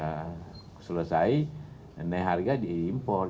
nah selesai kenaikan harga diimpor